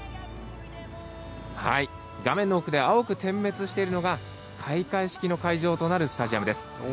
画面の奥で青く点滅しているのが開会式の会場となるスタジアムです。